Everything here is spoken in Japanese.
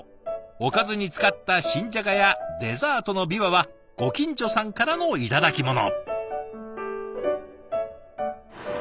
おかずに使った新じゃがやデザートのびわはご近所さんからの頂き物。